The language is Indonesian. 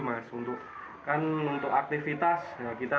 masuk untuk kan untuk aktivitas yang kita